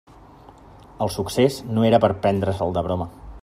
El succés no era per a prendre-se'l de broma.